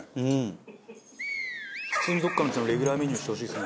普通にどこかの店のレギュラーメニューにしてほしいですね。